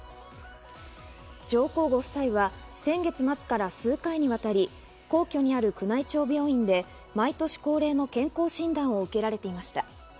上皇ご夫妻は先月末から数回にわたり、皇居にある宮内庁病院で毎年恒例の健康診断を受けられていました。